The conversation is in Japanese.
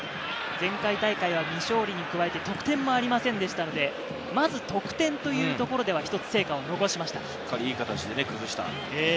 前回大会は未勝利に加えて得点もありませんでしたので、まず得点というところでは一つ成果を残しました。